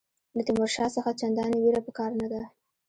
له تیمورشاه څخه چنداني وېره په کار نه ده.